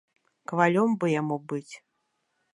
Кавалём бы яму быць.